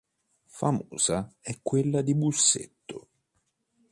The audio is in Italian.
Famosa è quella di Busseto.